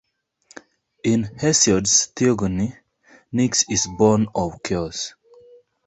In Hesiod's "Theogony", Nyx is born of Chaos.